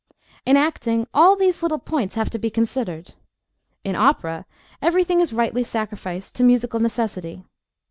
In acting, all these little points have to be considered. In opera, everything is rightly sacrificed to musical necessity.